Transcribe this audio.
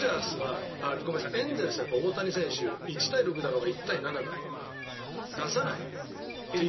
エンゼルスは大谷選手１対６だろうが１対７だろうが出さない。